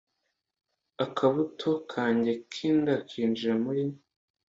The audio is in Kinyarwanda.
Akabuto kanjye kinda kinjira muri